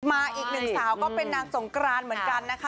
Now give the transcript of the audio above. อีกหนึ่งสาวก็เป็นนางสงกรานเหมือนกันนะคะ